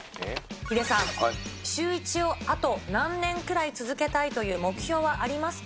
ヒデさん、シューイチをあと何年くらい続けたいという目標はありますか？